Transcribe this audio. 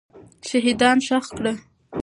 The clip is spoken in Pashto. شهیدان ښخ کړه.